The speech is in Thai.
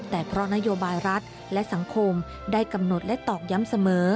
แต่เพราะนโยบายรัฐและสังคมได้กำหนดและตอกย้ำเสมอ